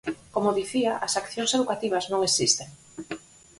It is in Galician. Como dicía, as accións educativas non existen.